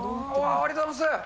ありがとうございます。